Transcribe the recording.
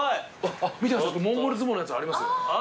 見てくださいモンゴル相撲のやつありますよ。